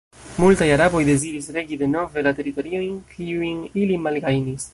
Multaj araboj deziris regi denove la teritoriojn, kiujn ili malgajnis.